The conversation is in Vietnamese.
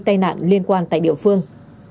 tai nạn liên quan tại địa phương